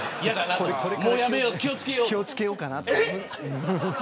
気を付けようかなって。